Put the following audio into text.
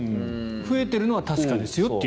増えてるのは確かですよと。